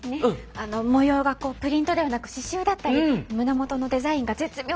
あの模様がこうプリントではなく刺しゅうだったり胸元のデザインが絶妙だったり